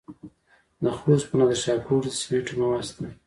د خوست په نادر شاه کوټ کې د سمنټو مواد شته.